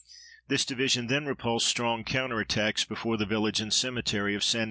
This division then repulsed strong counter attacks before the village and cemetery of Ste.